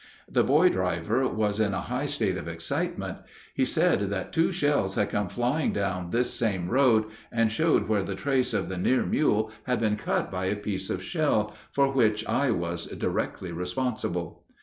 The boy driver was in a high state of excitement. He said that two shells had come flying down this same road, and showed where the trace of the near mule had been cut by a piece of shell, for which I was directly responsible.